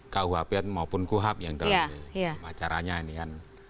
kuhp maupun kuhap yang dalam acaranya ini kan